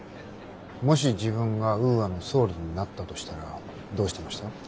もし自分がウーアの総理になったとしたらどうしてました？